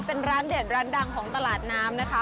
เป็นร้านเด็ดร้านดังของตลาดน้ำนะคะ